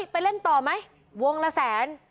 ไปเล่นต่อไหมวงละแสน